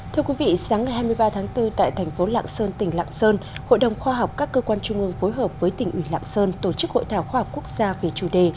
thưa quý vị sáng ngày hai mươi ba tháng bốn tại thành phố lạng sơn tỉnh lạng sơn hội đồng khoa học các cơ quan trung ương phối hợp với tỉnh ủy lạng sơn tổ chức hội thảo khoa học quốc gia về chủ đề